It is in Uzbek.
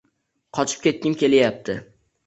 Qochib ketgim kelyapti.